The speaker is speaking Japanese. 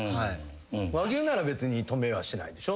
和牛なら別に止めはしないでしょ？